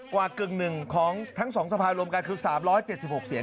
ควาปรึกรึงหนึ่งของทั้ง๒สภาโรงการคือ๓๗๖เสียง